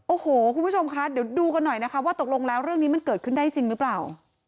โอ้โหคุณผู้ชมคะเดี๋ยวดูกันหน่อยนะคะว่าตกลงแล้วเรื่องนี้มันเกิดขึ้นได้จริงหรือเปล่า